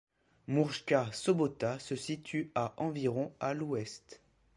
Murska Sobota se situe à environ à l’ouest.